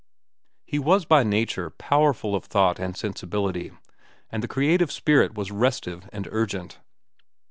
He was by nature powerful of thought and sensibility, and the creative spirit was restive and urgent.